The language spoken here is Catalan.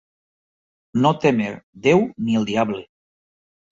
No témer Déu ni el diable.